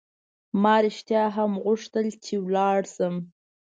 ما رښتیا هم غوښتل چې ولاړ شم.